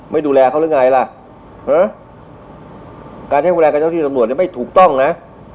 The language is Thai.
ไม่ดูแลเขาหรือไงล่ะการใช้เวลากับเจ้าที่ตำรวจเนี่ยไม่ถูกต้องนะ